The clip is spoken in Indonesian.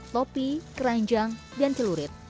topi keranjang dan telurit